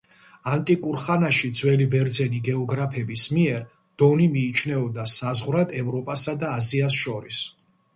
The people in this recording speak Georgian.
ანტიკურ ხანაში, ძველი ბერძენი გეოგრაფების მიერ, დონი მიიჩნეოდა საზღვრად ევროპასა და აზიას შორის.